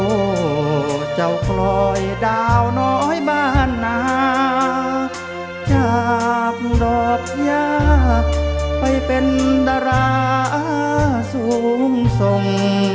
โอ้โหเจ้ากลอยดาวน้อยบ้านนาจากดอกยาไปเป็นดาราสูงส่ง